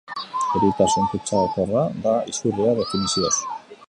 Eritasun kutsakorra da izurria, definizioz.